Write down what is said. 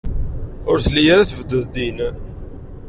Ur telli ara tebded din.